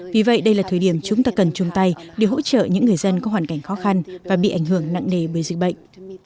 vì vậy đây là thời điểm chúng ta cần chung tay để hỗ trợ những người dân có hoàn cảnh khó khăn và bị ảnh hưởng nặng nề bởi dịch bệnh